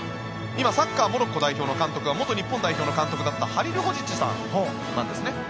今、サッカーモロッコ代表の監督が元日本代表の監督だったハリルホジッチさんなんですね。